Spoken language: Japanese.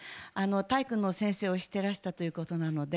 体育の先生をしてらしたということなので